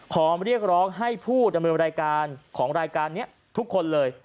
ขอเรียกร้องให้ผู้ดำเนินรายการของรายการนี้ทุกคนเลย